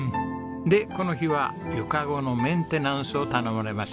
でこの日は湯かごのメンテナンスを頼まれました。